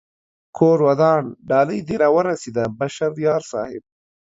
کور ودان ډالۍ دې را و رسېده بشر یار صاحب